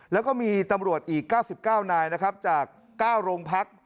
แล้วก็มีตำรวจอีก๙๙นายนะครับจาก๙โรงพัก